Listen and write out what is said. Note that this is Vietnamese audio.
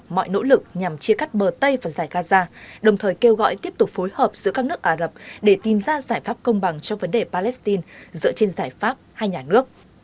mọi nỗ lực nhằm chia cắt bờ tây và giải gaza đồng thời kêu gọi tiếp tục phối hợp giữa các nước ả rập để tìm ra giải pháp công bằng cho vấn đề palestine dựa trên giải pháp hai nhà nước